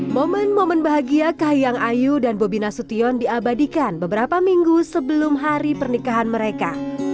momen momen bahagia kahiyang ayu dan bobi nasution diabadikan beberapa minggu sebelum hari pernikahan mereka